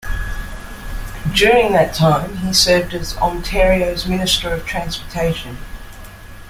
During that time, he served as Ontario's Minister of Transportation.